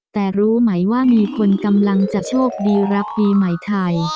แต่รู้ไหมว่ามีคนกำลังจะโชคดีรับปีใหม่ไทย